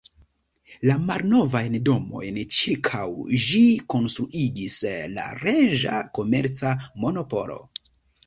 La malnovajn domojn ĉirkaŭ ĝi konstruigis la reĝa komerca monopolo.